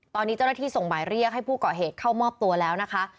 ตอนนี้เจ้าหน้าที่ส่งหมายเรียกให้ผู้เกาะเหตุเข้ามอบตัวแล้วนะคะ